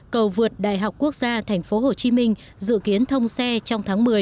cầu vượt đại học quốc gia thành phố hồ chí minh dự kiến thông dụng